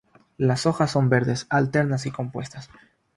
Las hojas son verdes, alternas y compuestas.